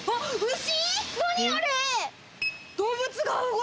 牛？